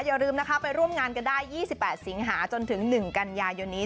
อย่าลืมนะคะไปร่วมงานกันได้๒๘สิงหาจนถึง๑กันยายนนี้